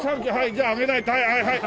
じゃああげないとはいはい。